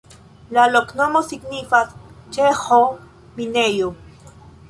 La loknomo signifas ĉeĥo-minejo.